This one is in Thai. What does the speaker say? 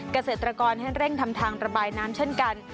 เกษตรกรให้เร่งทำทางระบายน้ำเช่นกัน